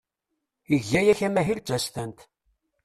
Iga yakk amahil d tsestant.